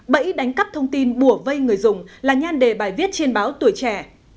bẫy đánh cắp thông tin bùa vây người dùng là nhan đề bài viết trên báo tuổi trẻ